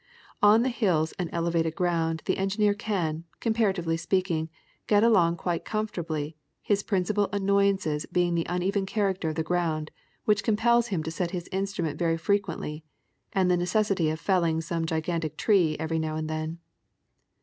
On the hills and elevated ground the engineer can, compara tively speaking, get along quite comfortably, his principal annoy ances being the uneven character of the ground, which compels bim to set his instrument very frequently, and the necessity of felling some gigantic tree every now and then.